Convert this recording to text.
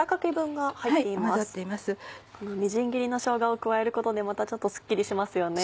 みじん切りのしょうがを加えることでまたちょっとスッキリしますよね。